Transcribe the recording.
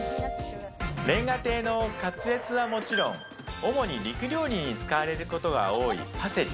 煉瓦亭のカツレツはもちろん主に肉料理に使われることが多いパセリ。